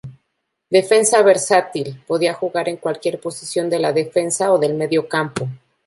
Defensa versátil, podía jugar en cualquier posición de la defensa o del mediocampo.